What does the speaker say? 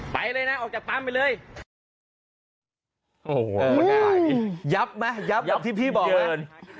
ไปเลยนะออกจากปั๊มไปเลยโอ้โหยับไหมยับกับที่พี่บอกนะ